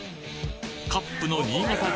カップの新潟地